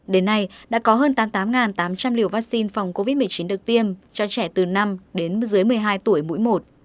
đến nay đã có hơn tám mươi tám tám trăm linh liều vaccine phòng covid một mươi chín được tiêm cho trẻ từ năm đến dưới một mươi hai tuổi mũi một